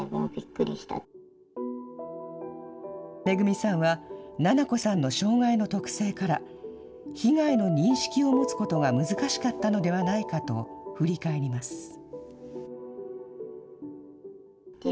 めぐみさんは、菜々子さんの障害の特性から、被害の認識を持つことが難しかったのではないかと振り返ります。